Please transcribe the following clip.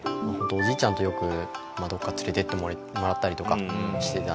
おじいちゃんとよくどこか連れていってもらったりとかしてたんですけど。